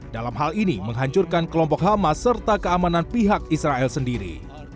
dalam hal ini menghancurkan kelompok hamas serta keamanan pihak israel sendiri